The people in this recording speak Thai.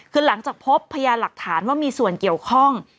คือหลังจากพบพยานหลักฐานว่ามีส่วนเกี่ยวข้อง